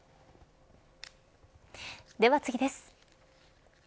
では次です。